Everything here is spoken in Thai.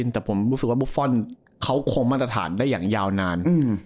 แต่ผมรู้สึกว่าบุฟฟอลเขาคงมาตรฐานได้อย่างยาวนาน